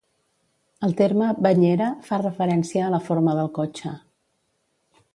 El terme "banyera" fa referència a la forma del cotxe.